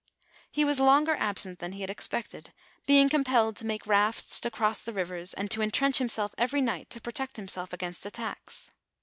He was longer absent than he had expected, being compelled to make rafts to cross the rivers, and to intrench himself eveiy night to protect himself against attacks.